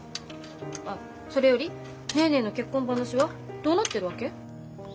あっそれよりネーネーの結婚話はどうなってるわけ？